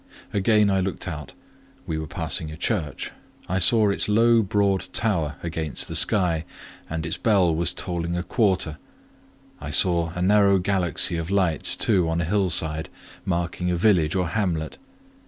Again I looked out: we were passing a church; I saw its low broad tower against the sky, and its bell was tolling a quarter; I saw a narrow galaxy of lights too, on a hillside, marking a village or hamlet.